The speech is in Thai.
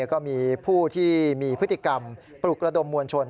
ก็มีผู้ที่มีพฤติกรรมปลุกระดมมวลชน